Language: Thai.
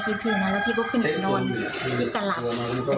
พี่ก็ลงมาพี่หิวน้ำพี่ก็ลงมา